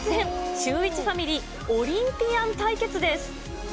シューイチファミリーオリンピアン対決です。